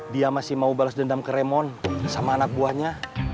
dia masih mau balas dendam ke remon sama anak buahnya